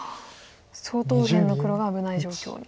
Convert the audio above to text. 相当右辺の黒が危ない状況に。